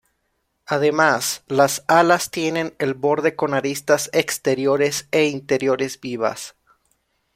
Además, las alas tienen el borde con aristas exteriores e interiores vivas.